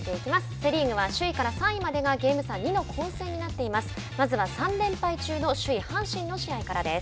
セ・リーグは首位から３位までがゲーム差２の混戦になっています。